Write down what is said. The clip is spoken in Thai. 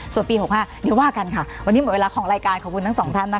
ส่วนปี๖๕เดี๋ยวว่ากันค่ะวันนี้หมดเวลาของรายการขอบคุณทั้งสองท่านนะคะ